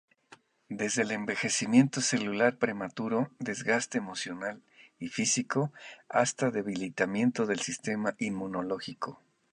Desde envejecimiento celular prematuro, desgaste emocional y físico hasta debilitamiento del sistema inmunológico.